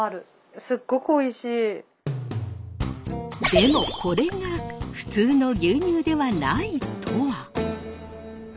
でもこれが普通の牛乳ではないとは？